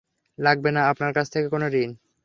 লাগবে না আপনার কাছ থেকে কোন ঋণ।